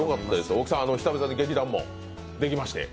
大木さん、久々に劇団もできまして。